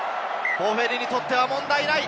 ボフェリにとっては問題ない。